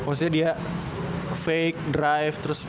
maksudnya dia fake drive terus passing lagi itu error banget ya